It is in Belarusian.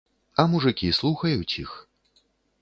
А мужыкі слухаюць іх.